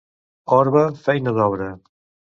Orba, feina d'obra.